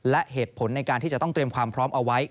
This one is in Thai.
และเหตุผลในการที่จะต้องเตรียมความพร้อมเอาไว้